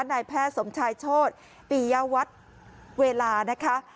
นายแพทย์สมชายโชธปียวัตรเวลานะคะ